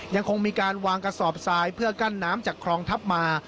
ยังคงมีการวางกระสอบทรายเพื่อกั้นน้ำจากคลองทัพมา